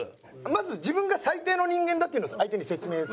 まず自分が最低の人間だっていうのを相手に説明する。